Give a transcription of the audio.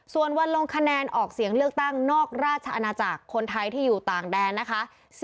ส่วนวันลงคะแนนออกเสียงเลือกตั้งนอกราชอาณาจักรคนไทยที่อยู่ต่างแดนนะคะ